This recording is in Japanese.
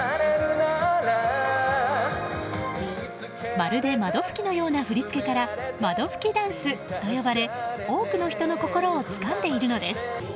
まるで窓拭きのような振り付けから窓拭きダンスと呼ばれ多くの人の心をつかんでいるのです。